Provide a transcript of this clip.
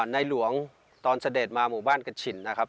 ในหลวงตอนเสด็จมาหมู่บ้านกระฉินนะครับ